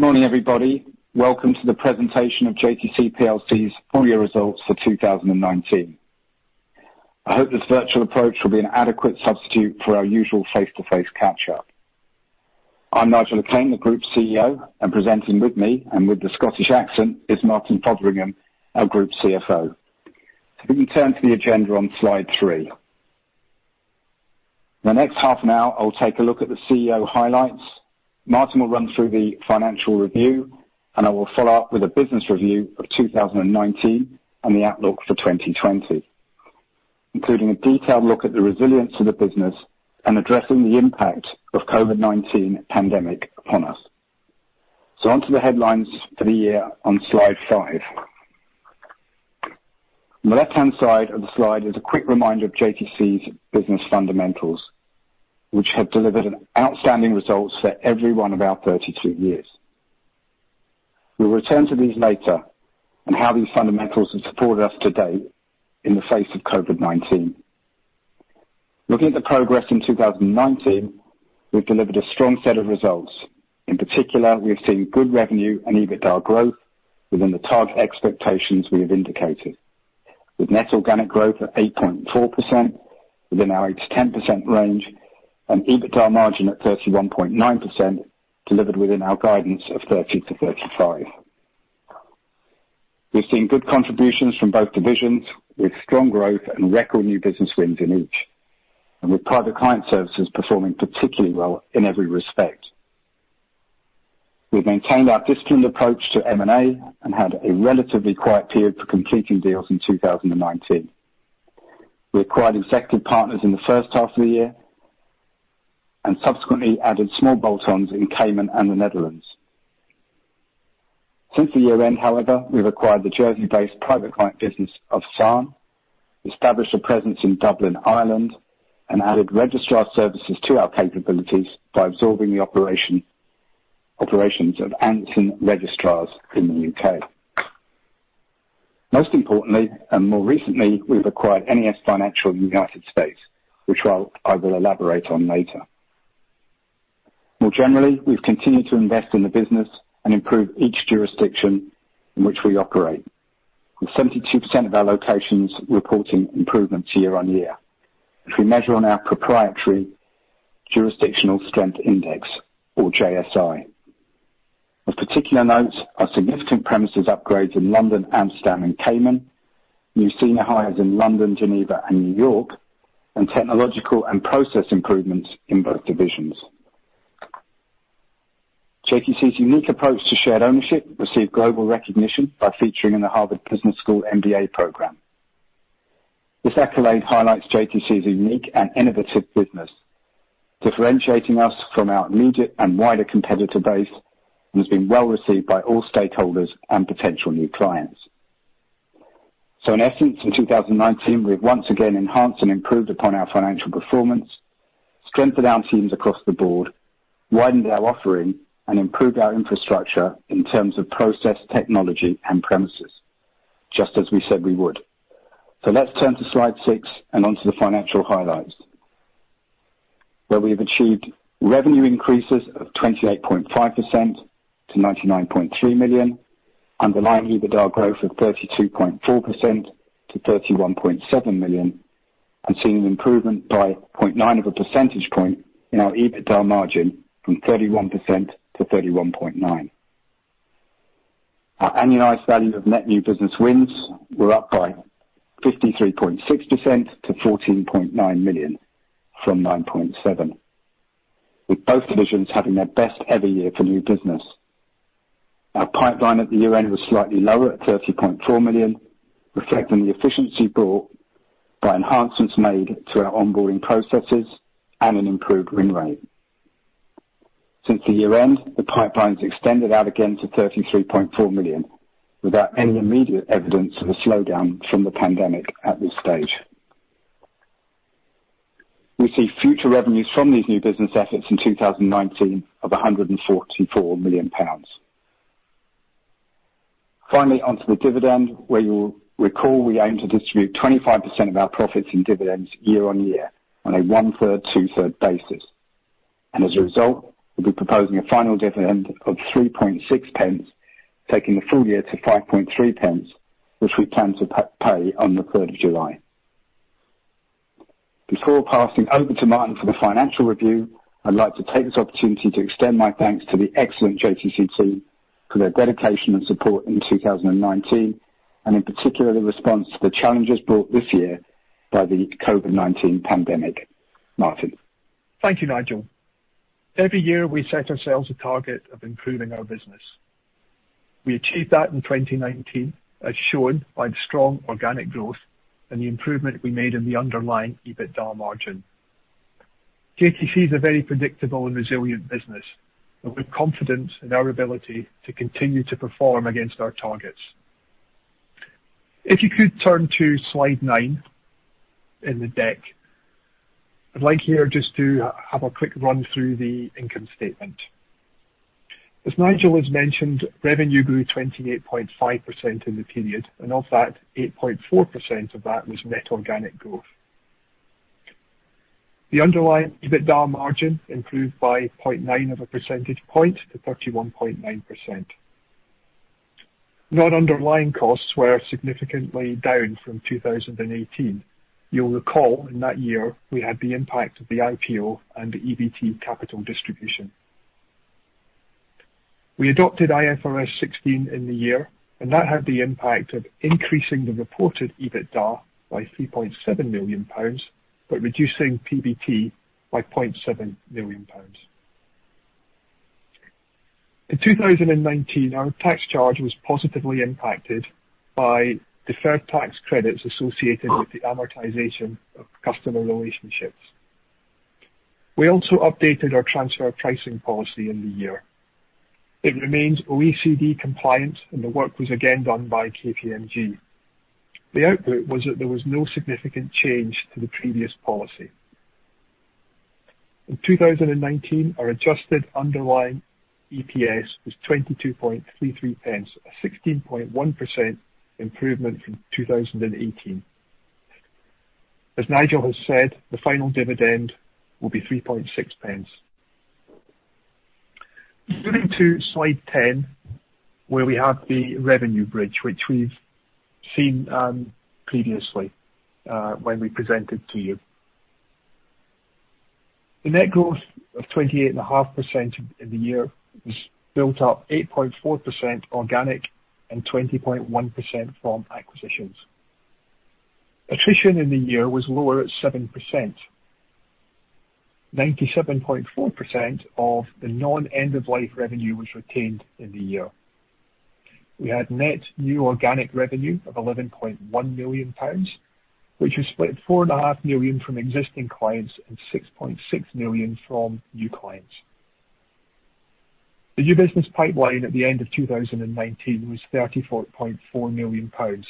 Good morning, everybody. Welcome to the presentation of JTC PLC's Full Year Results for 2019. I hope this virtual approach will be an adequate substitute for our usual face-to-face catch-up. I'm Nigel Le Quesne, the Group CEO, and presenting with me, and with the Scottish accent, is Martin Fotheringham, our Group CFO. If we can turn to the agenda on Slide three. The next half an hour, I'll take a look at the CEO highlights. Martin will run through the financial review, and I will follow up with a business review of 2019 and the outlook for 2020, including a detailed look at the resilience of the business and addressing the impact of COVID-19 pandemic upon us. On to the headlines for the year on slide five. On the left-hand side of the slide is a quick reminder of JTC's business fundamentals, which have delivered outstanding results for every one of our 32 years. We'll return to these later and how these fundamentals have supported us to date in the face of COVID-19. Looking at the progress in 2019, we've delivered a strong set of results. In particular, we have seen good revenue and EBITDA growth within the target expectations we have indicated. With net organic growth at 8.4% within our 8%-10% range and EBITDA margin at 31.9% delivered within our guidance of 30%-35%. We've seen good contributions from both divisions with strong growth and record new business wins in each, and with private client services performing particularly well in every respect. We've maintained our disciplined approach to M&A and had a relatively quiet period for completing deals in 2019. We acquired Exequtive Partners in the first half of the year and subsequently added small bolt-ons in Cayman and the Netherlands. Since the year-end, however, we've acquired the Jersey-based private client business of Sanne, established a presence in Dublin, Ireland, and added registrar services to our capabilities by absorbing the operations of Anson Registrars in the U.K. Most importantly, and more recently, we've acquired NES Financial in the United States, which I will elaborate on later. More generally, we've continued to invest in the business and improve each jurisdiction in which we operate, with 72% of our locations reporting improvements year-on-year if we measure on our proprietary Jurisdictional Strength Index or JSI. Of particular note are significant premises upgrades in London, Amsterdam, and Cayman, new senior hires in London, Geneva, and New York, and technological and process improvements in both divisions. JTC's unique approach to shared ownership received global recognition by featuring in the Harvard Business School MBA program. This accolade highlights JTC's unique and innovative business, differentiating us from our immediate and wider competitor base and has been well-received by all stakeholders and potential new clients. In essence, in 2019, we have once again enhanced and improved upon our financial performance, strengthened our teams across the board, widened our offering, and improved our infrastructure in terms of process, technology, and premises, just as we said we would. Let's turn to slide six and onto the financial highlights, where we have achieved revenue increases of 28.5% to 99.3 million, underlying EBITDA growth of 32.4% to 31.7 million, and seeing an improvement by 0.9 of a percentage point in our EBITDA margin from 31% to 31.9%. Our annualized value of net new business wins were up by 53.6% to 14.9 million from 9.7 million, with both divisions having their best ever year for new business. Our pipeline at the year-end was slightly lower at 30.4 million, reflecting the efficiency brought by enhancements made to our onboarding processes and an improved win rate. Since the year-end, the pipeline's extended out again to 33.4 million, without any immediate evidence of a slowdown from the pandemic at this stage. We see future revenues from these new business assets in 2019 of 144 million pounds. Finally, onto the dividend, where you will recall we aim to distribute 25% of our profits in dividends year on year on a 1/3, 2/3 basis. As a result, we'll be proposing a final dividend of 0.036, taking the full year to 0.053, which we plan to pay on the 3rd of July. Before passing over to Martin for the financial review, I'd like to take this opportunity to extend my thanks to the excellent JTC team for their dedication and support in 2019, and in particular, the response to the challenges brought this year by the COVID-19 pandemic. Martin. Thank you, Nigel. Every year, we set ourselves a target of improving our business. We achieved that in 2019, as shown by the strong organic growth and the improvement we made in the underlying EBITDA margin. JTC is a very predictable and resilient business, and we have confidence in our ability to continue to perform against our targets. If you could turn to slide nine in the deck, I'd like here just to have a quick run through the income statement. As Nigel has mentioned, revenue grew 28.5% in the period, and of that, 8.4% of that was net organic growth. The underlying EBITDA margin improved by 0.9 of a percentage point to 31.9%. Non-underlying costs were significantly down from 2018. You'll recall in that year, we had the impact of the IPO and the EBT capital distribution. We adopted IFRS 16 in the year, that had the impact of increasing the reported EBITDA by 3.7 million pounds but reducing PBT by 0.7 million pounds. In 2019, our tax charge was positively impacted by deferred tax credits associated with the amortization of customer relationships. We also updated our transfer pricing policy in the year. It remains OECD compliant, the work was again done by KPMG. The output was that there was no significant change to the previous policy. In 2019, our adjusted underlying EPS was 0.2233, a 16.1% improvement from 2018. As Nigel has said, the final dividend will be 0.036. Moving to slide 10, where we have the revenue bridge, which we've seen previously when we presented to you. The net growth of 28.5% in the year was built up 8.4% organic and 20.1% from acquisitions. Attrition in the year was lower at 7%. 97.4% of the non-end-of-life revenue was retained in the year. We had net new organic revenue of 11.1 million, which was split 4.5 million from existing clients and 6.6 million from new clients. The new business pipeline at the end of 2019 was 30.4 million pounds.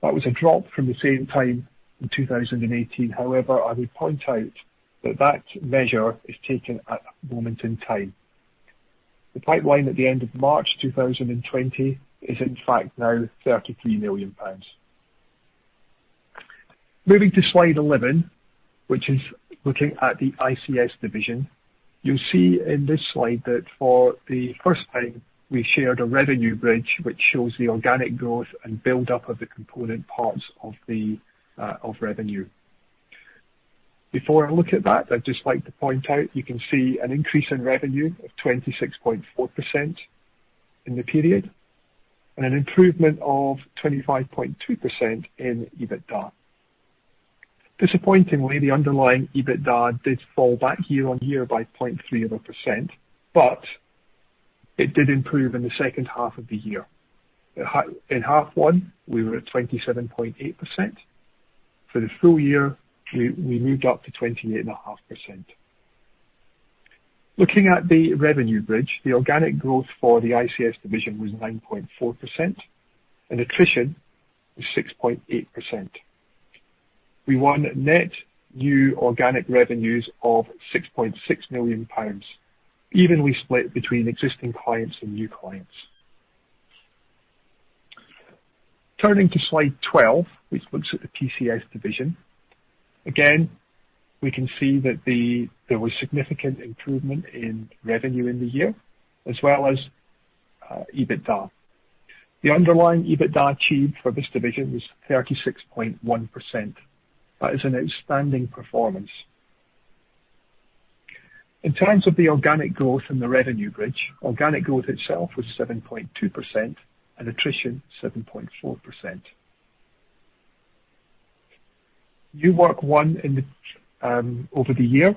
That was a drop from the same time in 2018. I would point out that that measure is taken at a moment in time. The pipeline at the end of March 2020 is in fact now 33 million pounds. Moving to Slide 11, which is looking at the ICS division. You'll see in this slide that for the first time, we shared a revenue bridge, which shows the organic growth and build-up of the component parts of revenue. Before I look at that, I'd just like to point out you can see an increase in revenue of 26.4% in the period and an improvement of 25.2% in EBITDA. Disappointingly, the underlying EBITDA did fall back year-over-year by 0.3%, but it did improve in the second half of the year. In half one, we were at 27.8%. For the full year, we moved up to 28.5%. Looking at the revenue bridge, the organic growth for the ICS division was 9.4%, and attrition was 6.8%. We won net new organic revenues of 6.6 million pounds, evenly split between existing clients and new clients. Turning to slide 12, which looks at the PCS division. Again, we can see that there was significant improvement in revenue in the year, as well as EBITDA. The underlying EBITDA achieved for this division was 36.1%. That is an outstanding performance. In terms of the organic growth in the revenue bridge, organic growth itself was 7.2%, and attrition 7.4%. New work won over the year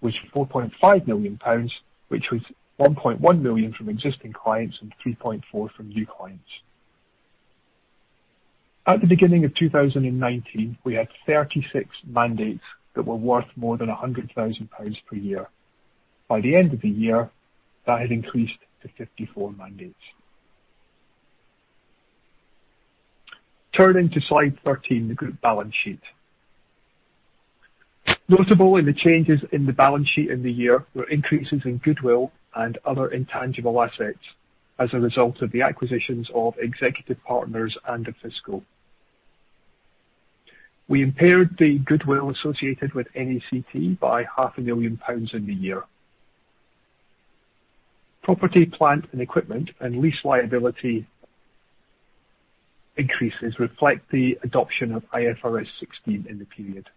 was 4.5 million pounds, which was 1.1 million from existing clients and 3.4 million from new clients. At the beginning of 2019, we had 36 mandates that were worth more than 100,000 pounds per year. By the end of the year, that had increased to 54 mandates. Turning to slide 13, the group balance sheet. Notable in the changes in the balance sheet in the year were increases in goodwill and other intangible assets as a result of the acquisitions of Exequtive Partners and Aufisco. We impaired the goodwill associated with NACT by 500,000 pounds in the year. Property, plant, and equipment and lease liability increases reflect the adoption of IFRS 16 in the period.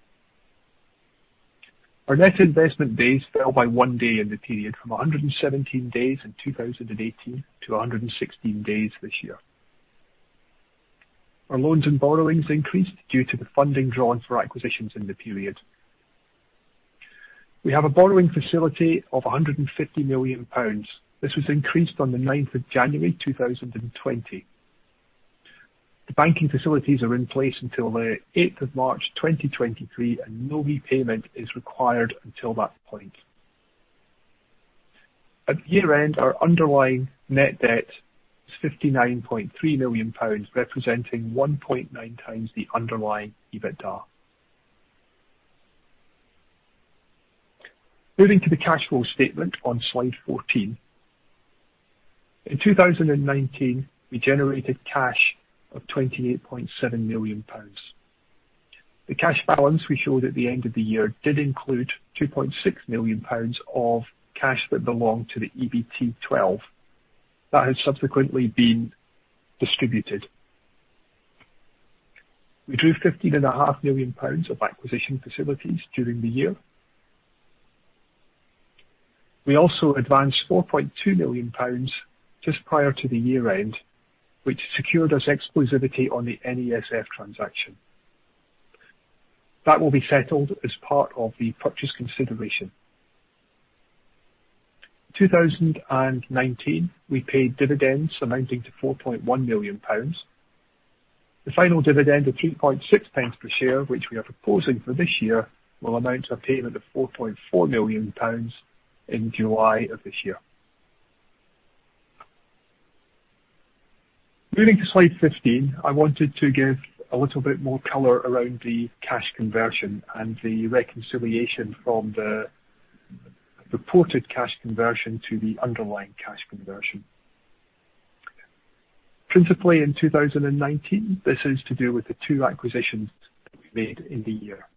Our net investment days fell by one day in the period from 117 days in 2018 to 116 days this year. Our loans and borrowings increased due to the funding drawn for acquisitions in the period. We have a borrowing facility of 150 million pounds. This was increased on the 9th of January 2020. The banking facilities are in place until the 8th of March 2023. No repayment is required until that point. At year-end, our underlying net debt was 59.3 million pounds, representing 1.9x the underlying EBITDA. Moving to the cash flow statement on slide 14. In 2019, we generated cash of GBP 28.7 million. The cash balance we showed at the end of the year did include 2.6 million pounds of cash that belonged to the EBT12. That has subsequently been distributed. We drew 15.5 million pounds of acquisition facilities during the year. We also advanced 4.2 million pounds just prior to the year-end, which secured us exclusivity on the NESF transaction. That will be settled as part of the purchase consideration. In 2019, we paid dividends amounting to 4.1 million pounds. The final dividend of 0.036 per share, which we are proposing for this year, will amount to a payment of 4.4 million pounds in July of this year. Moving to slide 15, I wanted to give a little bit more color around the cash conversion and the reconciliation from the reported cash conversion to the underlying cash conversion. Principally in 2019, this is to do with the two acquisitions that we made in the year.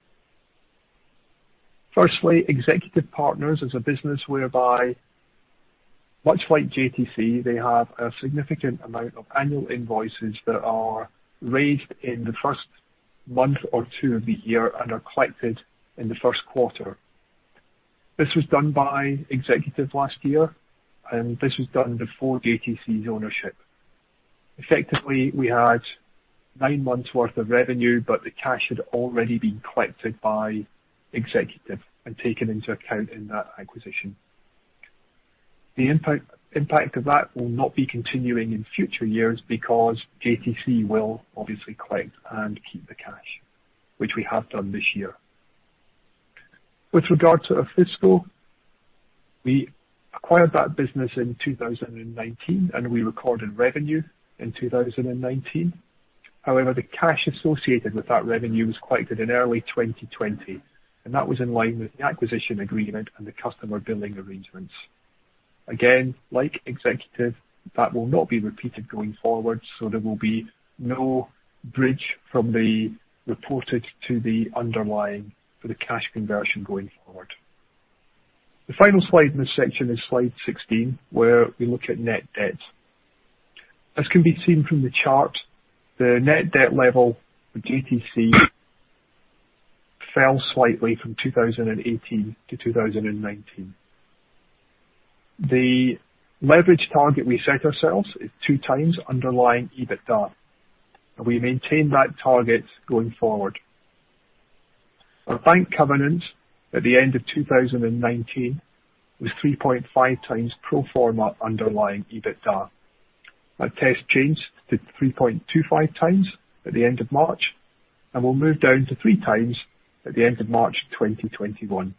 Firstly, Exequtive Partners is a business whereby much like JTC, they have a significant amount of annual invoices that are raised in the first month or two of the year and are collected in the first quarter. This was done by Exequtive last year, this was done before JTC's ownership. Effectively, we had nine months' worth of revenue, the cash had already been collected by Exequtive and taken into account in that acquisition. The impact of that will not be continuing in future years because JTC will obviously collect and keep the cash, which we have done this year. With regard to Aufisco, we acquired that business in 2019, we recorded revenue in 2019. However, the cash associated with that revenue was collected in early 2020, that was in line with the acquisition agreement and the customer billing arrangements. Again, like Exequtive, that will not be repeated going forward. There will be no bridge from the reported to the underlying for the cash conversion going forward. The final slide in this section is slide 16, where we look at net debt. As can be seen from the chart, the net debt level for JTC fell slightly from 2018 to 2019. The leverage target we set ourselves is 2x underlying EBITDA, and we maintain that target going forward. Our bank covenant at the end of 2019 was 3.5x pro forma underlying EBITDA. That test changed to 3.25x at the end of March and will move down to 3x at the end of March 2021.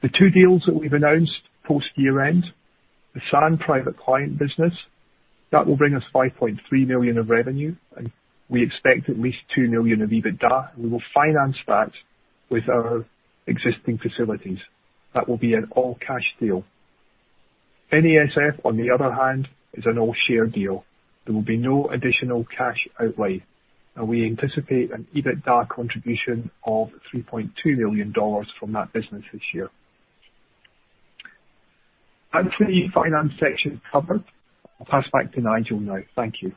The two deals that we've announced post year-end, the Sanne private client business, that will bring us 5.3 million of revenue, and we expect at least 2 million of EBITDA. We will finance that with our existing facilities. That will be an all-cash deal. NESF, on the other hand, is an all-share deal. There will be no additional cash outlay, and we anticipate an EBITDA contribution of $3.2 million from that business this year. That's the finance section covered. I'll pass back to Nigel now. Thank you.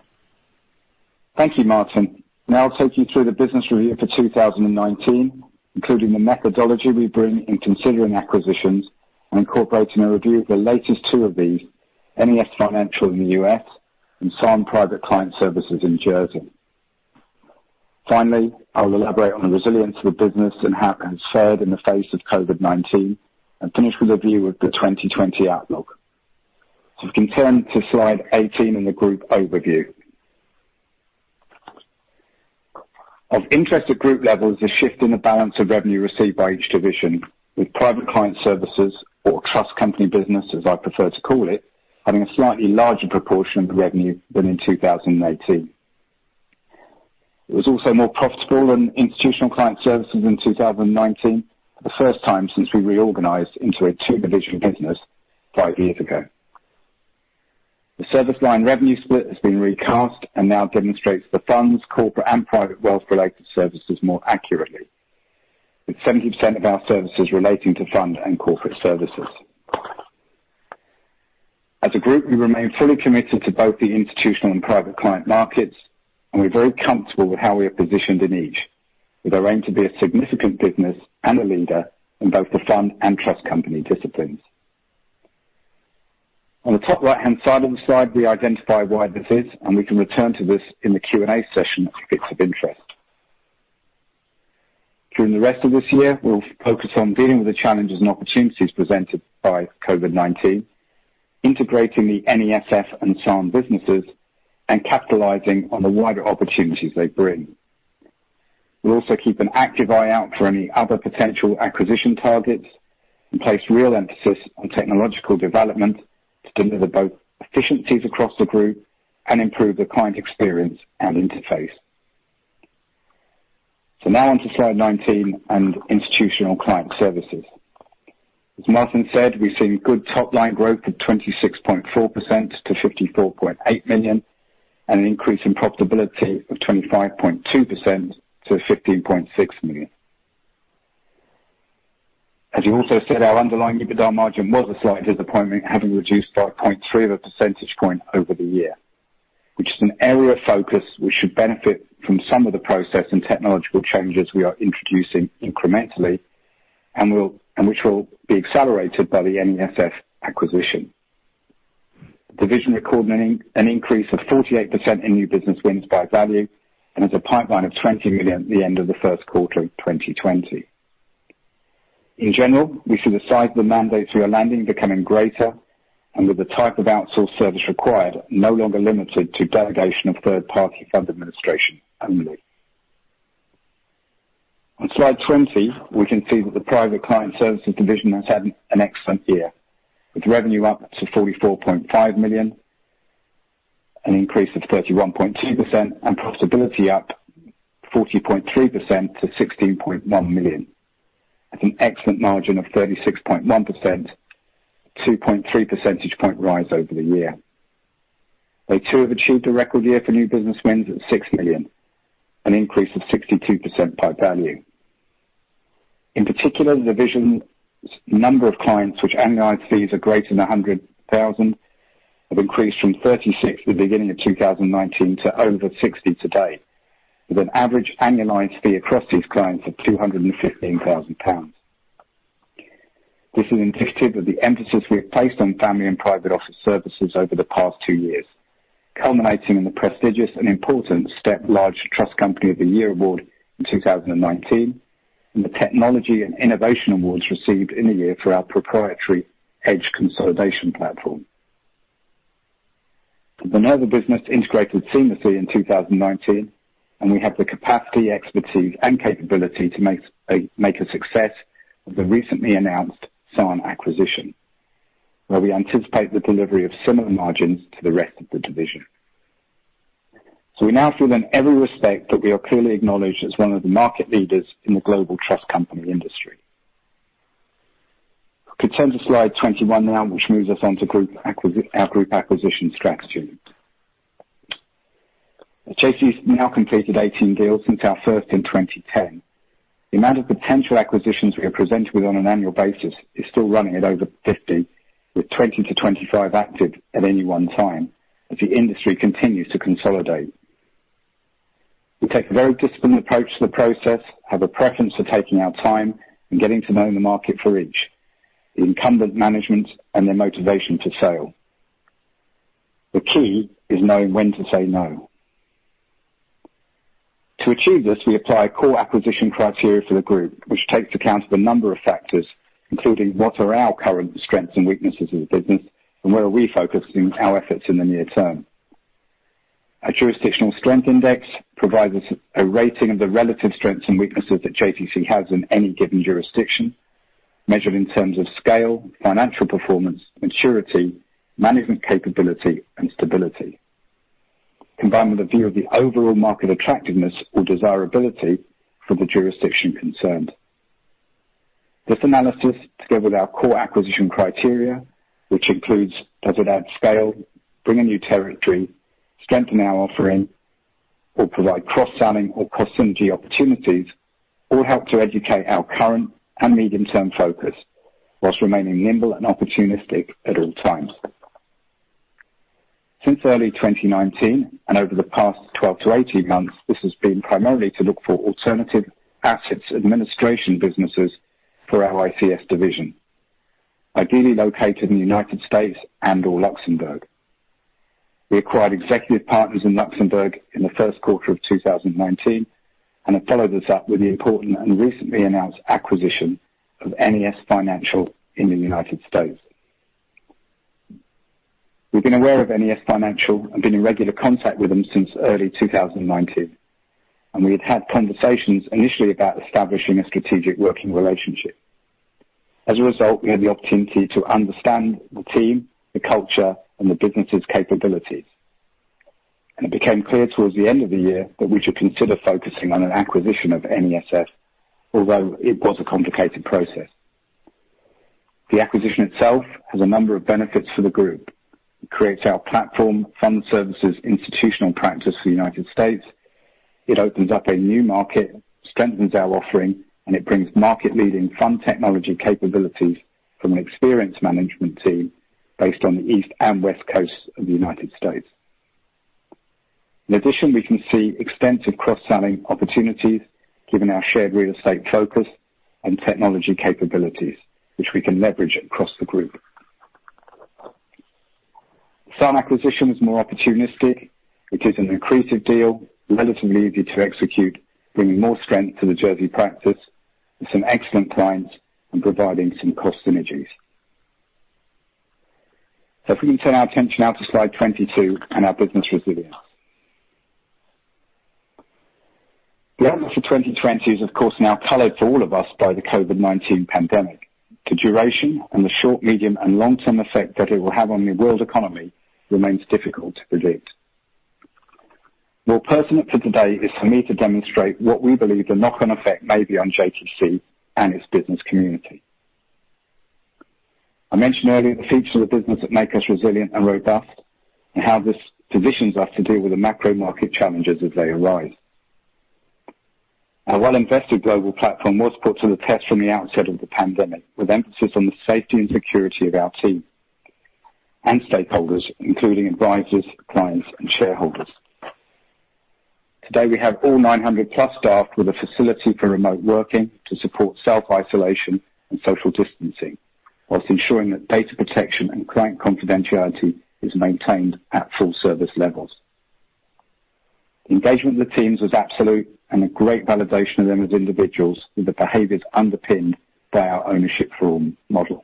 Thank you, Martin. Now I'll take you through the business review for 2019, including the methodology we bring in considering acquisitions and incorporating a review of the latest two of these, NES Financial in the U.S. and Sanne private client services in Jersey. Finally, I will elaborate on the resilience of the business and how it has fared in the face of COVID-19 and finish with a view of the 2020 outlook. If we turn to slide 18 in the group overview. Of interest at group level is a shift in the balance of revenue received by each division, with private client services or trust company business, as I prefer to call it, having a slightly larger proportion of the revenue than in 2018. It was also more profitable than institutional client services in 2019, the first time since we reorganized into a two-division business five years ago. The service line revenue split has been recast and now demonstrates the funds corporate and private wealth-related services more accurately. With 70% of our services relating to fund and corporate services. As a group, we remain fully committed to both the institutional and private client markets, and we are very comfortable with how we are positioned in each. With our aim to be a significant business and a leader in both the fund and trust company disciplines. On the top right-hand side of the slide, we identify why this is, and we can return to this in the Q&A session if it's of interest. During the rest of this year, we'll focus on dealing with the challenges and opportunities presented by COVID-19, integrating the NESF and Sanne businesses, and capitalizing on the wider opportunities they bring. We'll also keep an active eye out for any other potential acquisition targets and place real emphasis on technological development to deliver both efficiencies across the group and improve the client experience and interface. Now on to slide 19 and Institutional Client Services. As Martin said, we've seen good top-line growth of 26.4% to 54.8 million, and an increase in profitability of 25.2% to 15.6 million. As you also said, our underlying EBITDA margin was a slight disappointment, having reduced by 0.3 of a percentage point over the year, which is an area of focus which should benefit from some of the process and technological changes we are introducing incrementally, and which will be accelerated by the NESF acquisition. The division recorded an increase of 48% in new business wins by value and has a pipeline of 20 million at the end of the first quarter of 2020. In general, we see the size of the mandates we are landing becoming greater and with the type of outsourced service required, no longer limited to delegation of third-party fund administration only. On slide 20, we can see that the private client services division has had an excellent year, with revenue up to 44.5 million, an increase of 31.2%, and profitability up 40.3% to 16.1 million. That's an excellent margin of 36.1%, 2.3 percentage point rise over the year. They too have achieved a record year for new business wins at 6 million, an increase of 62% by value. In particular, the division's number of clients which annualized fees are greater than 100,000, have increased from 36 at the beginning of 2019 to over 60 today, with an average annualized fee across these clients of 215,000 pounds. This is indicative of the emphasis we have placed on family and private office services over the past two years, culminating in the prestigious and important STEP Large Trust Company of the Year award in 2019, and the Technology and Innovation awards received in the year for our proprietary Edge consolidation platform. The Nova business integrated seamlessly in 2019, and we have the capacity, expertise, and capability to make a success of the recently announced Sanne acquisition, where we anticipate the delivery of similar margins to the rest of the division. We now feel in every respect that we are clearly acknowledged as one of the market leaders in the global trust company industry. Could turn to slide 21 now, which moves us on to our group acquisition strategy. JTC has now completed 18 deals since our first in 2010. The amount of potential acquisitions we are presented with on an annual basis is still running at over 50, with 20 to 25 active at any one time as the industry continues to consolidate. We take a very disciplined approach to the process, have a preference for taking our time, and getting to know the market for each, the incumbent management, and their motivation to sell. The key is knowing when to say no. To achieve this, we apply core acquisition criteria for the group, which takes account of a number of factors, including what are our current strengths and weaknesses as a business, and where are we focusing our efforts in the near term. Our Jurisdictional Strength Index provides us a rating of the relative strengths and weaknesses that JTC has in any given jurisdiction, measured in terms of scale, financial performance, maturity, management capability, and stability, combined with a view of the overall market attractiveness or desirability for the jurisdiction concerned. This analysis, together with our core acquisition criteria, which includes does it add scale, bring a new territory, strengthen our offering, or provide cross-selling or cost synergy opportunities, all help to educate our current and medium-term focus whilst remaining nimble and opportunistic at all times. Since early 2019, and over the past 12-18 months, this has been primarily to look for alternative assets, administration businesses for our ICS division, ideally located in the United States and/or Luxembourg. We acquired Exequtive Partners in Luxembourg in the first quarter of 2019 and have followed this up with the important and recently announced acquisition of NES Financial in the U.S. We've been aware of NES Financial and been in regular contact with them since early 2019. We had conversations initially about establishing a strategic working relationship. As a result, we had the opportunity to understand the team, the culture, and the business's capabilities. It became clear towards the end of the year that we should consider focusing on an acquisition of NESF, although it was a complicated process. The acquisition itself has a number of benefits for the group. It creates our platform fund services institutional practice for the U.S. It opens up a new market, strengthens our offering, it brings market-leading fund technology capabilities from an experienced management team based on the East and West coasts of the U.S. In addition, we can see extensive cross-selling opportunities given our shared real estate focus and technology capabilities, which we can leverage across the group. The Sanne acquisition was more opportunistic. It is an accretive deal, relatively easy to execute, bringing more strength to the Jersey practice with some excellent clients and providing some cost synergies. If we can turn our attention now to slide 22 and our business resilience. The outlook for 2020 is, of course, now colored for all of us by the COVID-19 pandemic. The duration and the short, medium, and long-term effect that it will have on the world economy remains difficult to predict. More pertinent for today is for me to demonstrate what we believe the knock-on effect may be on JTC and its business community. I mentioned earlier the features of the business that make us resilient and robust and how this positions us to deal with the macro market challenges as they arise. Our well-invested global platform was put to the test from the outset of the pandemic, with emphasis on the safety and security of our team and stakeholders, including advisors, clients, and shareholders. Today, we have all 900+ staff with a facility for remote working to support self-isolation and social distancing while ensuring that data protection and client confidentiality is maintained at full-service levels. Engagement with the teams was absolute and a great validation of them as individuals with the behaviors underpinned by our ownership model.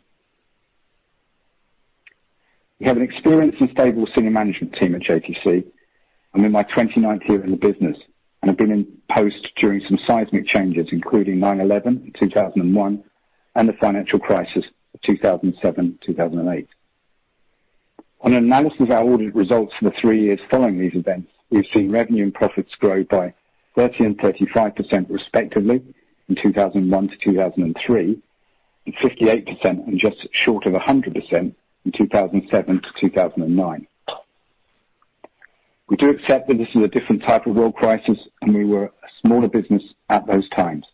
We have an experienced and stable senior management team at JTC. I'm in my 29th year in the business, and I've been in post during some seismic changes, including 9/11 in 2001, and the financial crisis of 2007 to 2008. On analysis of our audit results for the three years following these events, we've seen revenue and profits grow by 30% and 35% respectively in 2001 to 2003, and 58% and just short of 100% in 2007 to 2009. We do accept that this is a different type of world crisis, and we were a smaller business at those times.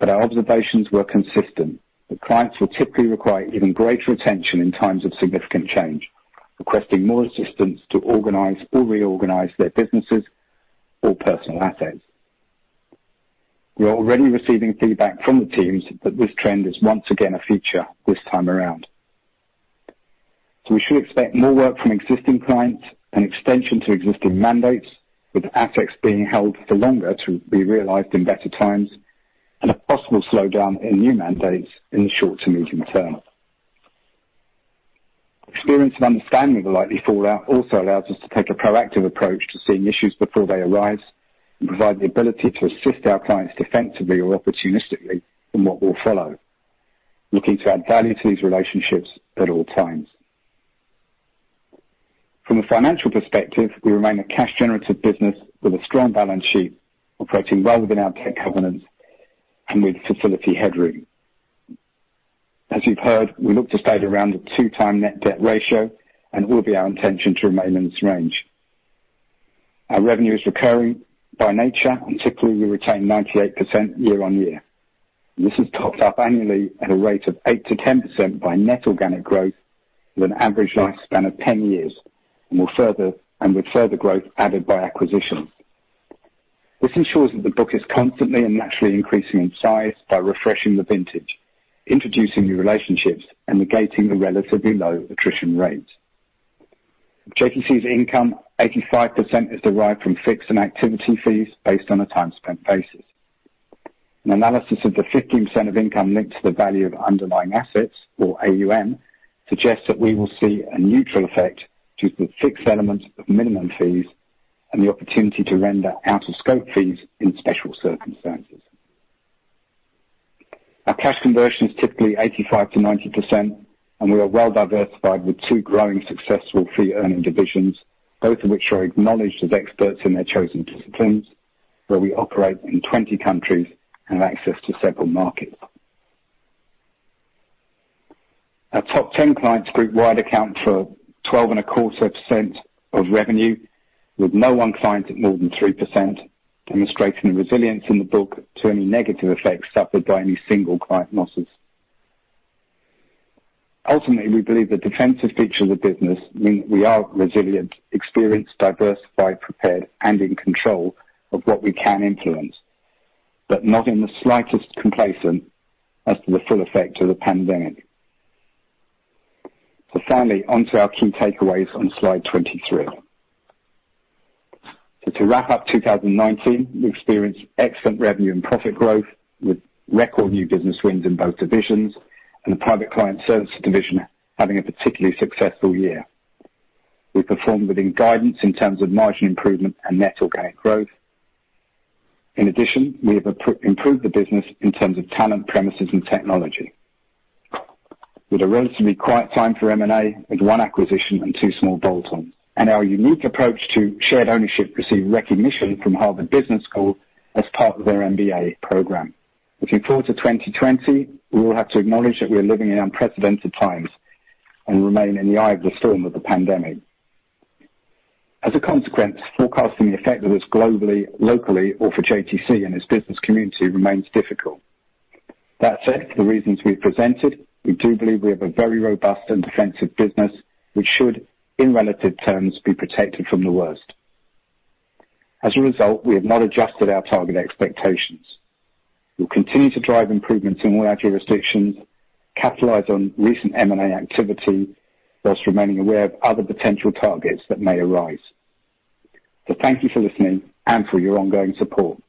Our observations were consistent, that clients will typically require even greater attention in times of significant change, requesting more assistance to organize or reorganize their businesses or personal assets. We are already receiving feedback from the teams that this trend is once again a feature this time around. We should expect more work from existing clients and extension to existing mandates, with assets being held for longer to be realized in better times and a possible slowdown in new mandates in the short to medium term. Experience and understanding of the likely fallout also allows us to take a proactive approach to seeing issues before they arise and provide the ability to assist our clients defensively or opportunistically in what will follow. Looking to add value to these relationships at all times. From a financial perspective, we remain a cash-generative business with a strong balance sheet, operating well within our tech covenants and with facility headroom. As you've heard, we look to stay around the two-time net debt ratio. It will be our intention to remain in this range. Our revenue is recurring by nature. Typically, we retain 98% year on year. This is topped up annually at a rate of 8%-10% by net organic growth with an average lifespan of 10 years. With further growth added by acquisitions. This ensures that the book is constantly and naturally increasing in size by refreshing the vintage, introducing new relationships, and negating the relatively low attrition rates. Of JTC's income, 85% is derived from fixed and activity fees based on a time spent basis. An analysis of the 15% of income linked to the value of underlying assets, or AUM, suggests that we will see a neutral effect due to the fixed element of minimum fees and the opportunity to render out-of-scope fees in special circumstances. Our cash conversion is typically 85%-90%, and we are well-diversified with two growing successful fee earning divisions, both of which are acknowledged as experts in their chosen disciplines, where we operate in 20 countries and have access to several markets. Our top 10 client's group-wide account for 12.25% of revenue, with no one client at more than 3%, demonstrating the resilience in the book to any negative effects suffered by any single client losses. Ultimately, we believe the defensive features of the business mean we are resilient, experienced, diversified, prepared, and in control of what we can influence. Not in the slightest complacent as to the full effect of the pandemic. Finally, onto our key takeaways on slide 23. To wrap up 2019, we experienced excellent revenue and profit growth with record new business wins in both divisions and the Private Client Services division having a particularly successful year. We performed within guidance in terms of margin improvement and net organic growth. In addition, we have improved the business in terms of talent, premises, and technology. With a relatively quiet time for M&A, with one acquisition and two small bolt-ons. Our unique approach to shared ownership received recognition from Harvard Business School as part of their MBA program. Looking forward to 2020, we all have to acknowledge that we are living in unprecedented times and remain in the eye of the storm of the pandemic. As a consequence, forecasting the effect of this globally, locally, or for JTC and its business community remains difficult. That said, for the reasons we presented, we do believe we have a very robust and defensive business which should, in relative terms, be protected from the worst. As a result, we have not adjusted our target expectations. We'll continue to drive improvements in all our jurisdictions, capitalize on recent M&A activity, while remaining aware of other potential targets that may arise. Thank you for listening and for your ongoing support.